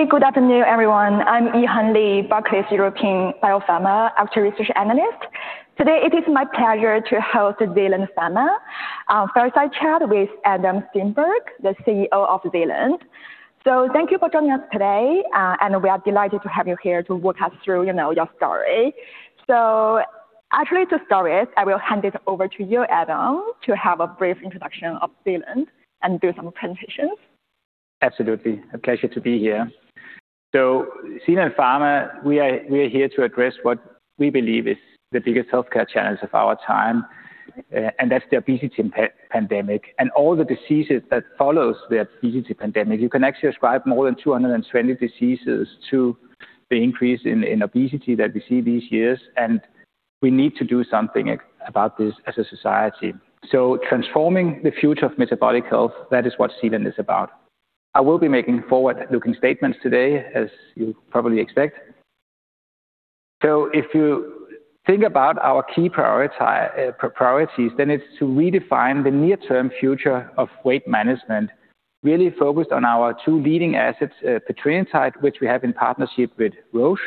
Hey, good afternoon, everyone. I'm Yihan Li, Barclays European Biopharma Equity Research Analyst. Today it is my pleasure to host Zealand Pharma fireside chat with Adam Steensberg, the CEO of Zealand Pharma. Thank you for joining us today, and we are delighted to have you here to walk us through, you know, your story. Actually to start with, I will hand it over to you, Adam, to have a brief introduction of Zealand Pharma and do some presentations. Absolutely. A pleasure to be here. Zealand Pharma, we are here to address what we believe is the biggest healthcare challenge of our time, and that's the obesity pandemic and all the diseases that follows the obesity pandemic. You can actually ascribe more than 220 diseases to the increase in obesity that we see these years, and we need to do something about this as a society. Transforming the future of metabolic health, that is what Zealand is about. I will be making forward-looking statements today, as you probably expect. If you think about our key priorities, then it's to redefine the near-term future of weight management, really focused on our two leading assets, Petrelintide, which we have in partnership with Roche,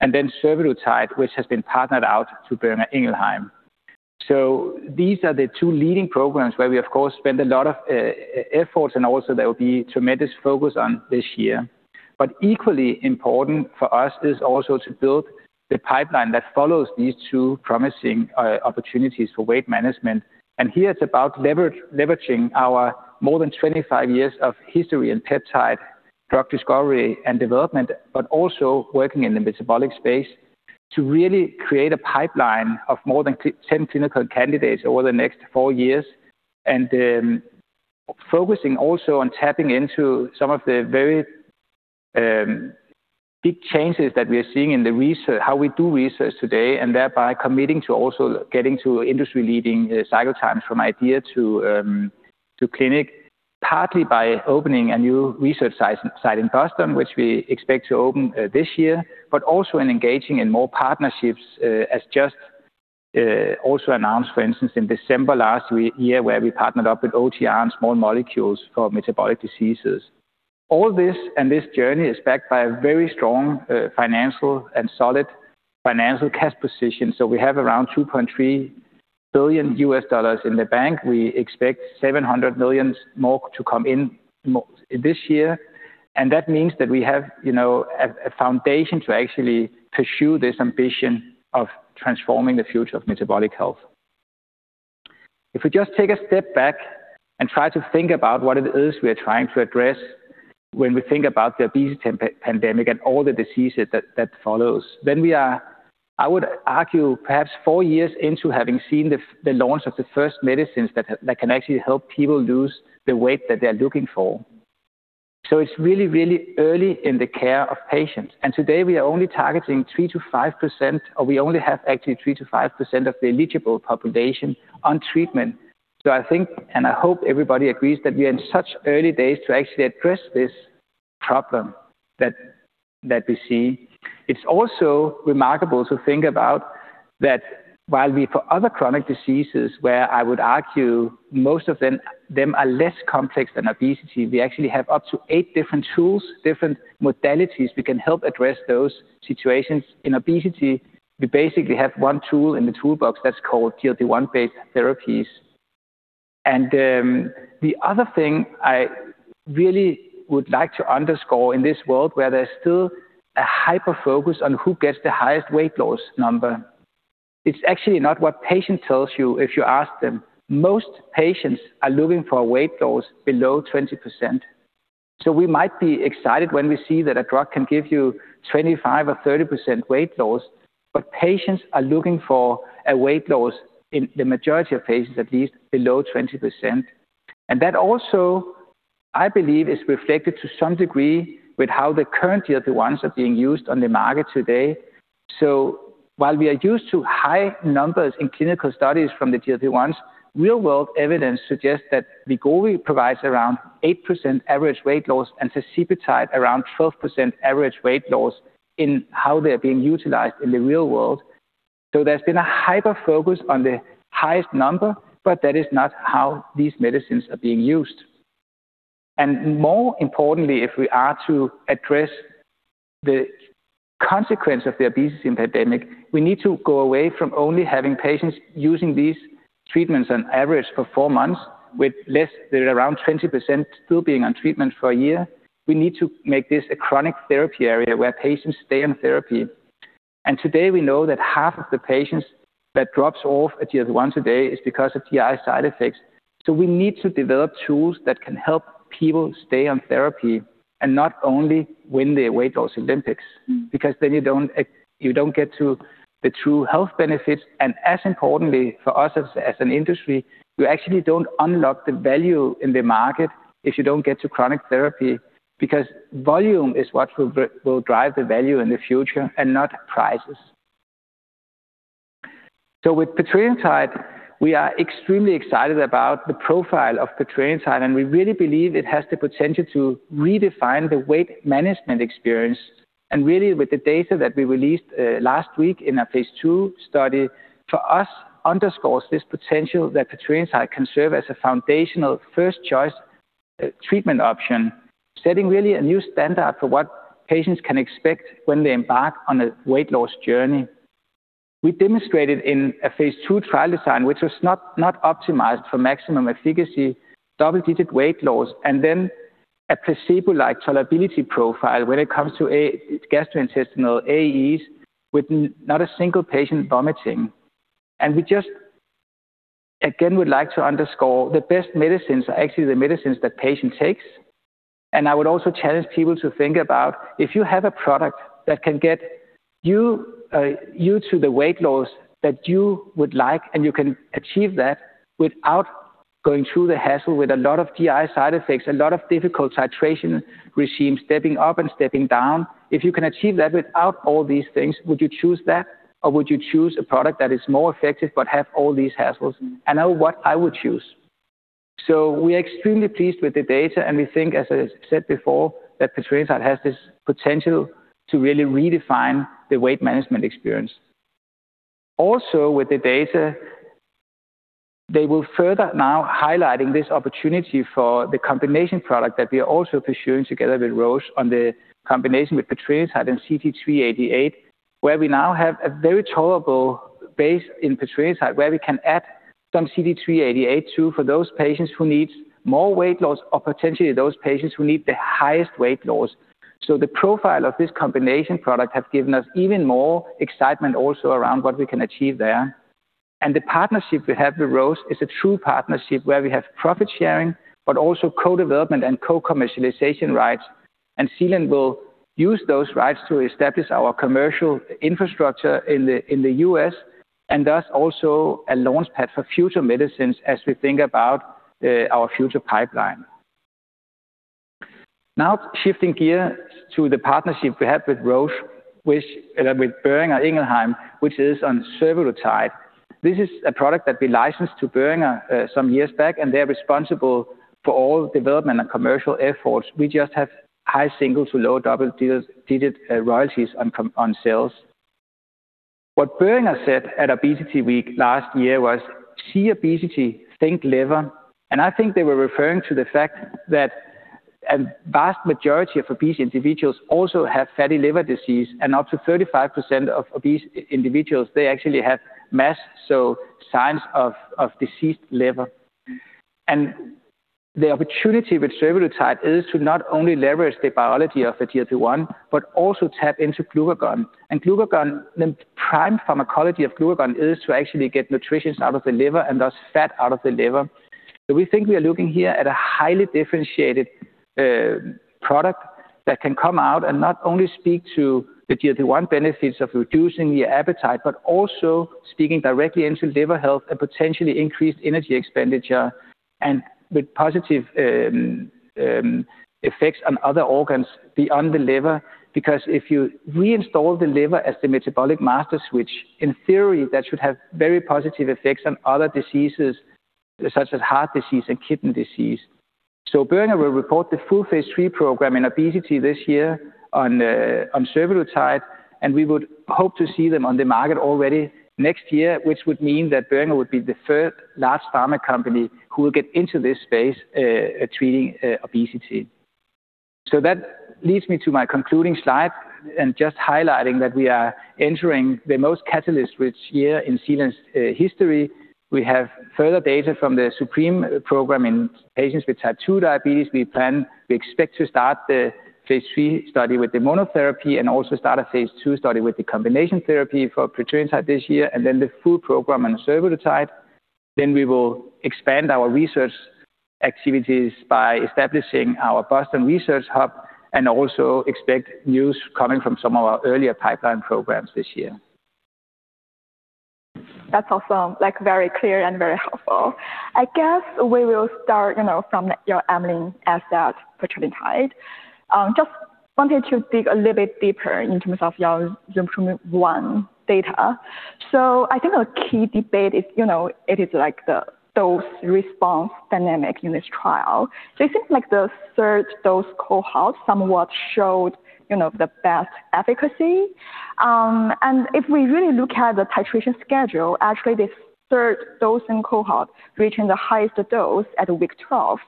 and then Survodutide, which has been partnered out to Boehringer Ingelheim. These are the two leading programs where we of course spend a lot of efforts and also there will be tremendous focus on this year. Equally important for us is also to build the pipeline that follows these two promising opportunities for weight management. Here it's about leverage, leveraging our more than 25 years of history and peptide drug discovery and development, but also working in the metabolic space to really create a pipeline of more than 10 clinical candidates over the next four years, and focusing also on tapping into some of the very big changes that we are seeing in the research, how we do research today, and thereby committing to also getting to industry-leading cycle times from idea to clinic, partly by opening a new research site in Boston, which we expect to open this year, but also by engaging in more partnerships, as just also announced, for instance, in December last year, where we partnered up with OTR on small molecules for metabolic diseases. All this and this journey is backed by a very strong, financial and solid financial cash position. We have around $2.3 billion in the bank. We expect $700 million more to come in this year. That means that we have a foundation to actually pursue this ambition of transforming the future of metabolic health. If we just take a step back and try to think about what it is we are trying to address when we think about the obesity pandemic and all the diseases that follows, then we are, I would argue perhaps four years into having seen the launch of the first medicines that can actually help people lose the weight that they're looking for. It's really, really early in the care of patients. Today we are only targeting 3%-5%, or we only have actually 3%-5% of the eligible population on treatment. I think, and I hope everybody agrees, that we are in such early days to actually address this problem that we see. It's also remarkable to think about that while we for other chronic diseases, where I would argue most of them are less complex than obesity, we actually have up to eight different tools, different modalities, we can help address those situations. In obesity, we basically have one tool in the toolbox that's called GLP-1-based therapies. The other thing I really would like to underscore in this world where there's still a hyper-focus on who gets the highest weight loss number, it's actually not what patient tells you if you ask them. Most patients are looking for a weight loss below 20%. We might be excited when we see that a drug can give you 25 or 30% weight loss, but patients are looking for a weight loss in the majority of patients, at least below 20%. That also, I believe, is reflected to some degree with how the current GLP ones are being used on the market today. While we are used to high numbers in clinical studies from the GLP ones, real world evidence suggests that Wegovy provides around 8% average weight loss and tirzepatide around 12% average weight loss in how they're being utilized in the real world. There's been a hyper-focus on the highest number, but that is not how these medicines are being used. More importantly, if we are to address the consequence of the obesity pandemic, we need to go away from only having patients using these treatments on average for four months with less than around 20% still being on treatment for a year. We need to make this a chronic therapy area where patients stay on therapy. Today, we know that half of the patients that drops off a GLP-1 today is because of GI side effects. We need to develop tools that can help people stay on therapy and not only win the weight loss Olympics, because then you don't get to the true health benefits. As importantly for us as an industry, you actually don't unlock the value in the market if you don't get to chronic therapy, because volume is what will drive the value in the future and not prices. With Petrelintide, we are extremely excited about the profile of Petrelintide, and we really believe it has the potential to redefine the weight management experience. Really with the data that we released last week in our phase II study, for us underscores this potential that Petrelintide can serve as a foundational first choice treatment option, setting really a new standard for what patients can expect when they embark on a weight loss journey. We demonstrated in a phase II trial design, which was not optimized for maximum efficacy, double-digit weight loss, and then a placebo-like tolerability profile when it comes to gastrointestinal AEs with not a single patient vomiting. We just again would like to underscore the best medicines are actually the medicines that patient takes. I would also challenge people to think about if you have a product that can get you to the weight loss that you would like, and you can achieve that without going through the hassle with a lot of GI side effects, a lot of difficult titration regimes, stepping up and stepping down. If you can achieve that without all these things, would you choose that or would you choose a product that is more effective but have all these hassles? I know what I would choose. We are extremely pleased with the data, and we think, as I said before, that Petrelintide has this potential to really redefine the weight management experience. Also with the data, they will further now highlighting this opportunity for the combination product that we are also pursuing together with Roche on the combination with Petrelintide and CT388, where we now have a very tolerable base in Petrelintide, where we can add some CT388 to for those patients who need more weight loss or potentially those patients who need the highest weight loss. The profile of this combination product have given us even more excitement also around what we can achieve there. The partnership we have with Roche is a true partnership where we have profit sharing, but also co-development and co-commercialization rights. Zealand will use those rights to establish our commercial infrastructure in the U.S. and thus also a launchpad for future medicines as we think about our future pipeline. Now shifting gear to the partnership we have with Boehringer Ingelheim, which is on Survodutide. This is a product that we licensed to Boehringer some years back, and they're responsible for all development and commercial efforts. We just have high single- to low double-digit royalties on sales. What Boehringer said at Obesity Week last year was, "See obesity, think liver." I think they were referring to the fact that a vast majority of obese individuals also have fatty liver disease, and up to 35% of obese individuals, they actually have MASLD, so signs of diseased liver. The opportunity with Survodutide is to not only leverage the biology of the GLP-1, but also tap into glucagon. Glucagon, the prime pharmacology of glucagon is to actually get nutrients out of the liver and thus fat out of the liver. We think we are looking here at a highly differentiated product that can come out and not only speak to the GLP-1 benefits of reducing your appetite, but also speaking directly into liver health and potentially increased energy expenditure and with positive effects on other organs beyond the liver. If you reinstate the liver as the metabolic master switch, in theory, that should have very positive effects on other diseases such as heart disease and kidney disease. Boehringer Ingelheim will report the full phase III program in obesity this year on Survodutide, and we would hope to see them on the market already next year, which would mean that Boehringer Ingelheim would be the first large pharma company who will get into this space treating obesity. That leads me to my concluding slide and just highlighting that we are entering the most catalyst-rich year in Zealand's history. We have further data from the ZUPREME program in patients with type 2 diabetes. We expect to start the phase III study with the monotherapy and also start a phase II study with the combination therapy for Petrelintide this year, and then the full program on Survodutide. We will expand our research activities by establishing our Boston Research Hub and also expect news coming from some of our earlier pipeline programs this year. That's awesome. Like, very clear and very helpful. I guess we will start, you know, from your amylin asset Petrelintide. Just wanted to dig a little bit deeper in terms of your ZUPREME-1 data. I think a key debate is, you know, it is like the dose-response dynamic in this trial. It seems like the third dose cohort somewhat showed, you know, the best efficacy. If we really look at the titration schedule, actually the third dosing cohort reaching the highest dose at week 12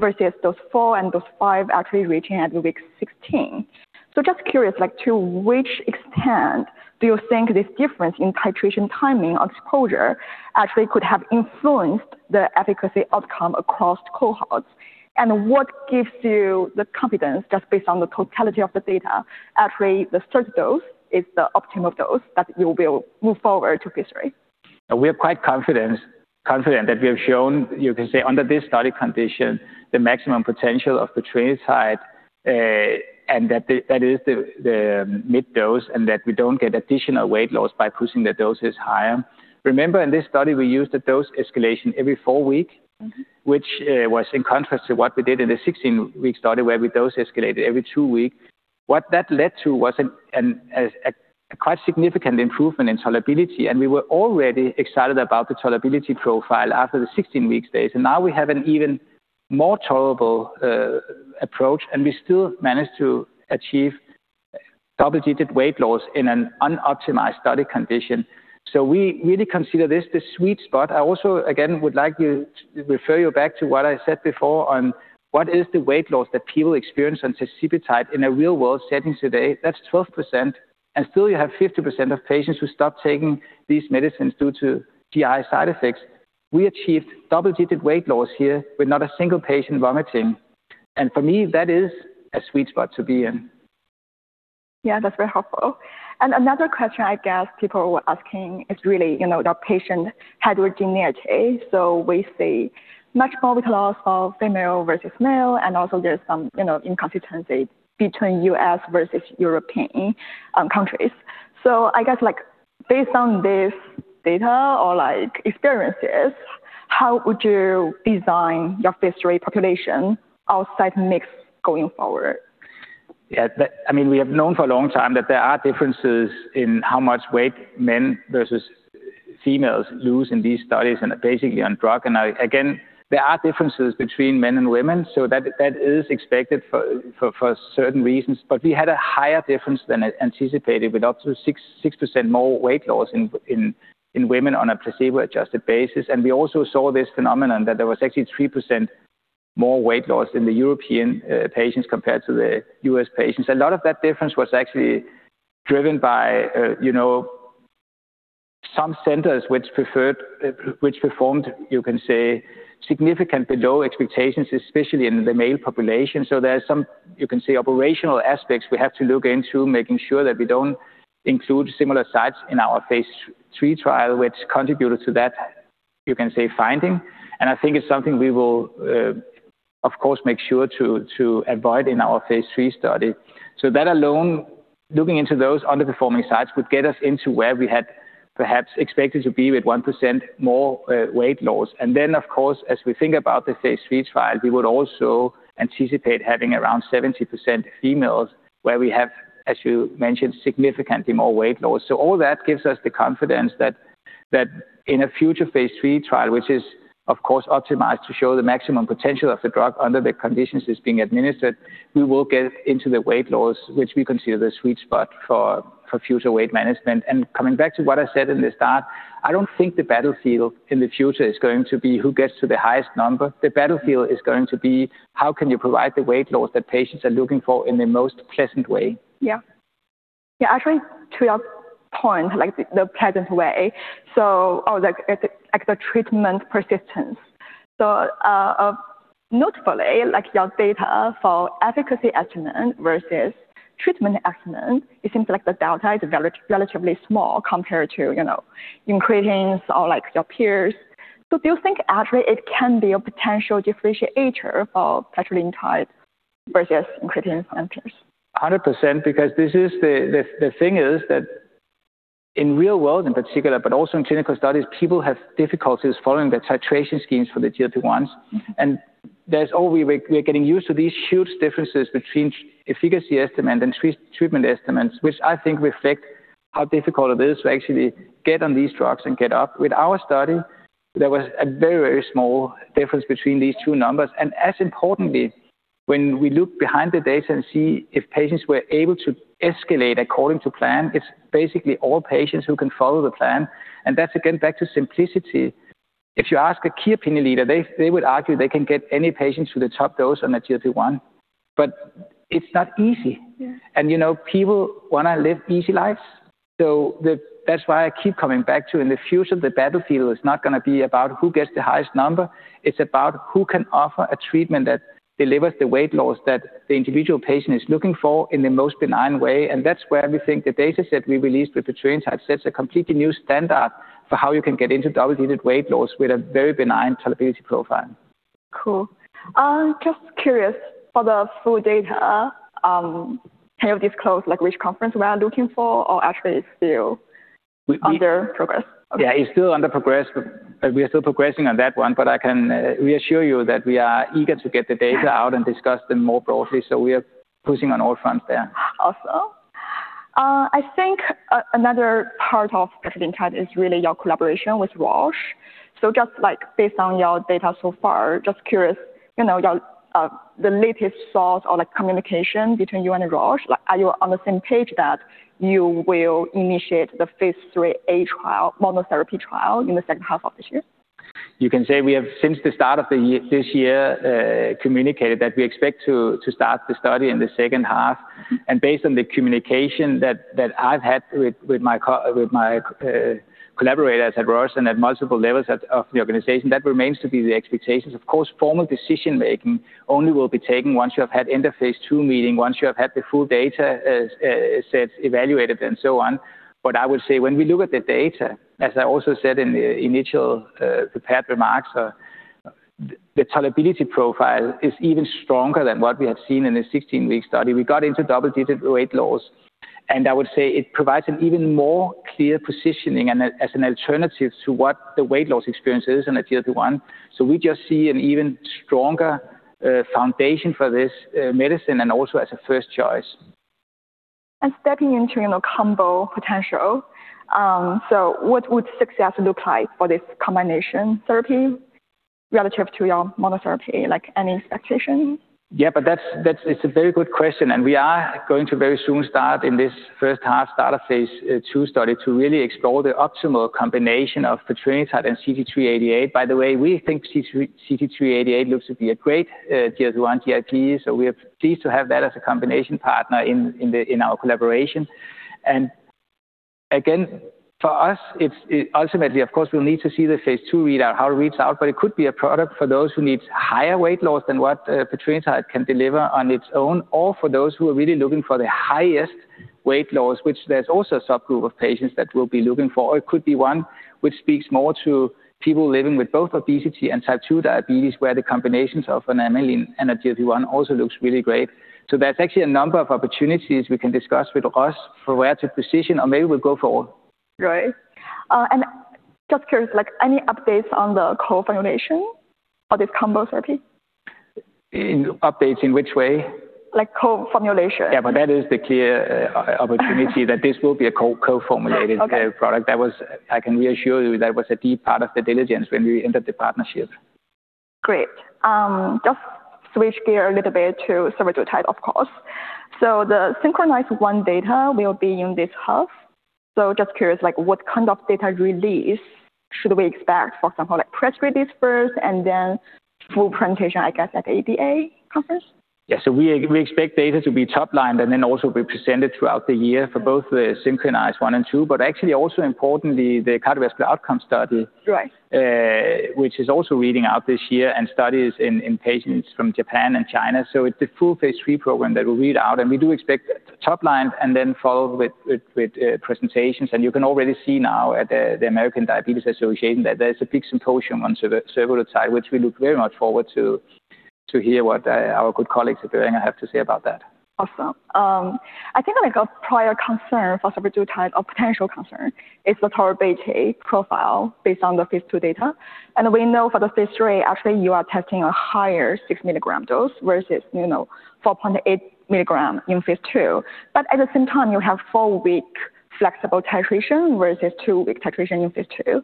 versus dose four and dose five actually reaching at week 16. Just curious, like to which extent do you think this difference in titration timing or exposure actually could have influenced the efficacy outcome across cohorts? What gives you the confidence, just based on the totality of the data, actually the third dose is the optimal dose that you will move forward to phase III? We are quite confident that we have shown, you can say, under this study condition, the maximum potential of Petrelintide, and that is the mid dose, and that we don't get additional weight loss by pushing the doses higher. Remember, in this study, we used a dose escalation every four week- Mm-hmm. Which was in contrast to what we did in the 16-week study, where we dose escalated every two weeks. What that led to was a quite significant improvement in tolerability, and we were already excited about the tolerability profile after the 16-week phase. Now we have an even more tolerable approach, and we still managed to achieve double-digit weight loss in an unoptimized study condition. We really consider this the sweet spot. I also, again, would like to refer you back to what I said before on what is the weight loss that people experience on tirzepatide in a real-world setting today. That's 12%, and still you have 50% of patients who stop taking these medicines due to GI side effects. We achieved double-digit weight loss here with not a single patient vomiting. For me, that is a sweet spot to be in. Yeah, that's very helpful. Another question I guess people were asking is really, you know, the patient heterogeneity. We see much more weight loss of female versus male, and also there's some, you know, inconsistency between U.S. versus European, countries. I guess, like, based on this data or, like, experiences, how would you design your phase 3 population outside mix going forward? Yeah. I mean, we have known for a long time that there are differences in how much weight men versus females lose in these studies and basically on drug. Again, there are differences between men and women, so that is expected for certain reasons. We had a higher difference than anticipated with up to 6% more weight loss in women on a placebo-adjusted basis. We also saw this phenomenon that there was actually 3% more weight loss in the European patients compared to the U.S. patients. A lot of that difference was actually driven by, you know, some centers which performed, you can say, significantly below expectations, especially in the male population. There are some, you can say, operational aspects we have to look into making sure that we don't include similar sites in our phase III trial, which contributed to that, you can say, finding. I think it's something we will, of course, make sure to avoid in our phase III study. That alone, looking into those underperforming sites, would get us into where we had perhaps expected to be with 1% more weight loss. Then, of course, as we think about the phase III trial, we would also anticipate having around 70% females where we have, as you mentioned, significantly more weight loss. All that gives us the confidence that in a future phase III trial, which is of course optimized to show the maximum potential of the drug under the conditions it's being administered, we will get into the weight loss, which we consider the sweet spot for future weight management. Coming back to what I said in the start, I don't think the battlefield in the future is going to be who gets to the highest number. The battlefield is going to be how can you provide the weight loss that patients are looking for in the most pleasant way. Actually, to your point, like, the persistence or like the treatment persistence. Notably, like, your data for efficacy estimand versus treatment estimand, it seems like the delta is relatively small compared to, you know, incretins or, like, your peers. Do you think actually it can be a potential differentiator for Petrelintide versus incretins? 100% because this is the thing is that in real world in particular, but also in clinical studies, people have difficulties following the titration schemes for the GLP-1s. That's all we're getting used to these huge differences between efficacy estimand and treatment estimand, which I think reflect how difficult it is to actually get on these drugs and get up. With our study, there was a very, very small difference between these two numbers. As importantly, when we look behind the data and see if patients were able to escalate according to plan, it's basically all patients who can follow the plan. That's again, back to simplicity. If you ask a key opinion leader, they would argue they can get any patient to the top dose on a GLP-1, but it's not easy. Yeah. You know, people wanna live easy lives. That's why I keep coming back to in the future, the battlefield is not gonna be about who gets the highest number. It's about who can offer a treatment that delivers the weight loss that the individual patient is looking for in the most benign way. That's where we think the data set we released with Petrelintide sets a completely new standard for how you can get into double-digit weight loss with a very benign tolerability profile. Cool. Just curious, for the full data, can you disclose like which conference we are looking for or actually it's still under progress? Yeah, it's still under progress. We are still progressing on that one, but I can reassure you that we are eager to get the data out and discuss them more broadly. We are pushing on all fronts there. Awesome. I think another part of Petrelintide is really your collaboration with Roche. Just, like, based on your data so far, just curious, you know, your, the latest thoughts or, like, communication between you and Roche. Like, are you on the same page that you will initiate the phase III-A trial, monotherapy trial in the second half of this year? You can say we have, since the start of this year, communicated that we expect to start the study in the second half. Based on the communication that I've had with my collaborators at Roche and at multiple levels of the organization, that remains to be the expectations. Of course, formal decision-making only will be taken once you have had end-of-phase II meeting, once you have had the full data, as sets evaluated and so on. I would say when we look at the data, as I also said in the initial prepared remarks, the tolerability profile is even stronger than what we had seen in the 16-week study. We got into double-digit weight loss, and I would say it provides an even more clear positioning and as an alternative to what the weight loss experience is in a GLP-1. We just see an even stronger foundation for this medicine and also as a first choice. Stepping into, you know, combo potential, so what would success look like for this combination therapy relative to your monotherapy? Like, any expectation? That's a very good question, and we are going to very soon start in this first half, start of phase II study to really explore the optimal combination of Petrelintide and CT-388. By the way, we think CT-388 looks to be a great GLP-1, so we are pleased to have that as a combination partner in our collaboration. Again, for us, it's ultimately, of course, we'll need to see the phase II readout, how it reads out, but it could be a product for those who need higher weight loss than what Petrelintide can deliver on its own, or for those who are really looking for the highest weight loss, which there's also a subgroup of patients that we'll be looking for. it could be one which speaks more to people living with both obesity and Type 2 diabetes, where the combinations of an amylin and a GLP-1 also looks really great. There's actually a number of opportunities we can discuss with us for where to position or maybe we'll go forward. Right. Just curious, like any updates on the co-formulation of this combo therapy? Updates in which way? Like co-formulation. Yeah, that is the clear opportunity that this will be a co-formulated product. Okay. I can reassure you that was a key part of the diligence when we entered the partnership. Great. Just switch gear a little bit to Survodutide, of course. Just curious, like what kind of data release should we expect? For example, like press release first and then full presentation, I guess, at the ADA conference? Yeah. We expect data to be top-lined and then also be presented throughout the year for both the SYNCHRONIZE-1 and 2. Actually also importantly, the cardiovascular outcome study. Right which is also reading out this year and studies in patients from Japan and China. It's a full phase III program that will read out, and we do expect top line and then follow with presentations. You can already see now at the American Diabetes Association that there's a big symposium on Survodutide, which we look very much forward to hear what our good colleagues at Boehringer have to say about that. Awesome. I think like a prior concern for Survodutide or potential concern is the tolerability profile based on the phase II data. We know for the phase III, actually you are testing a higher 6 mg dose versus, you know, 4.8 mg in phase II. At the same time you have four-week flexible titration versus two-week titration in phase II.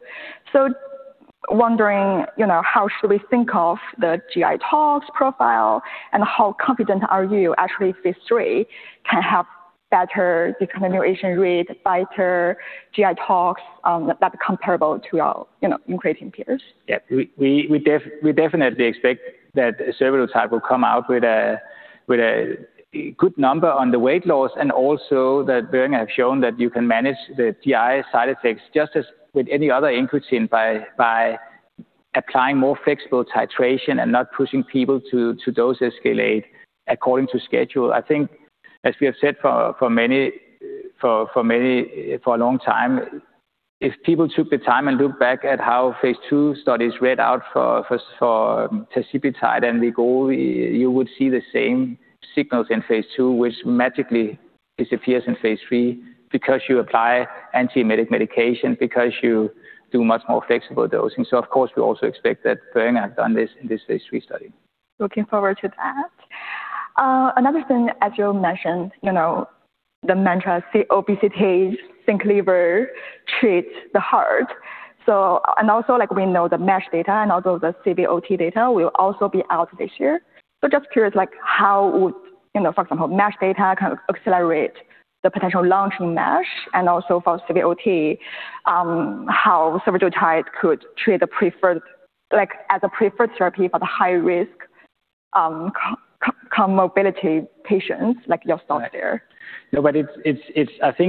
Wondering, you know, how should we think of the GI tox profile and how confident are you actually phase III can have better continuation rate, better GI tox, that comparable to our, you know, incretin peers? We definitely expect that Survodutide will come out with a good number on the weight loss and also that Boehringer have shown that you can manage the GI side effects just as with any other incretin by applying more flexible titration and not pushing people to dose escalate according to schedule. I think as we have said for many, for a long time, if people took the time and looked back at how phase II studies read out for tirzepatide and Wegovy, you would see the same signals in phase 2, which magically disappears in phase 3 because you apply antiemetic medications, because you do much more flexible dosing. Of course, we also expect that Boehringer have done this in this phase III study. Looking forward to that. Another thing, as you mentioned, you know, the mantra, see obesity, think liver, treat the heart. We know the MASH data and also the CVOT data will also be out this year. Just curious, like how would, you know, for example, MASH data kind of accelerate the potential launch in MASH and also for CVOT, how Survodutide could treat as a preferred therapy for the high risk, co-comorbidity patients like yourself there? No, I think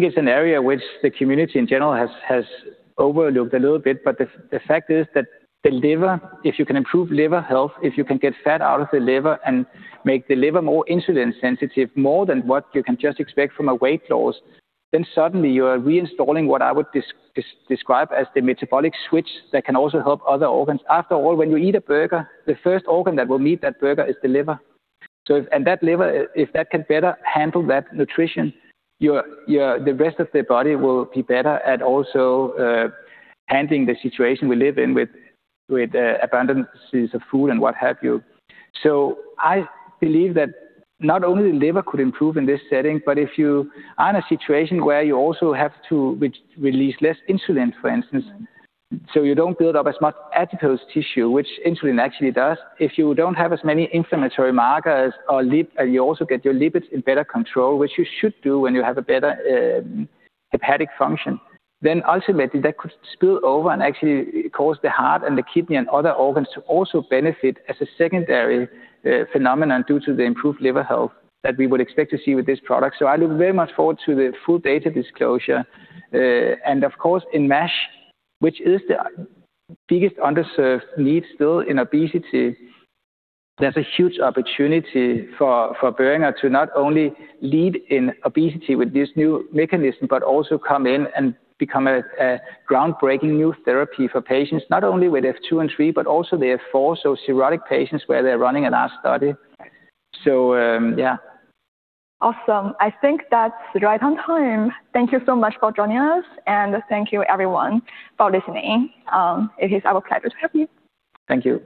it's an area which the community in general has overlooked a little bit. The fact is that the liver, if you can improve liver health, if you can get fat out of the liver and make the liver more insulin sensitive, more than what you can just expect from a weight loss, then suddenly you are reinstalling what I would describe as the metabolic switch that can also help other organs. After all, when you eat a burger, the first organ that will meet that burger is the liver. If that liver can better handle that nutrition, the rest of the body will be better at also handling the situation we live in with abundances of food and what have you. I believe that not only the liver could improve in this setting, but if you are in a situation where you also have to re-release less insulin, for instance, so you don't build up as much adipose tissue, which insulin actually does. If you don't have as many inflammatory markers or you also get your lipids in better control, which you should do when you have a better hepatic function, then ultimately that could spill over and actually cause the heart and the kidney and other organs to also benefit as a secondary phenomenon due to the improved liver health that we would expect to see with this product. I look very much forward to the full data disclosure. Of course in MASH, which is the biggest underserved need still in obesity, there's a huge opportunity for Boehringer to not only lead in obesity with this new mechanism, but also come in and become a groundbreaking new therapy for patients not only with F2 and F3, but also the F4, so cirrhotic patients where they're running a late-stage study. Awesome. I think that's right on time. Thank you so much for joining us, and thank you everyone for listening. It is our pleasure to have you. Thank you.